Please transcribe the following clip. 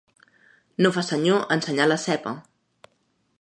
No fa senyor ensenyar la ceba.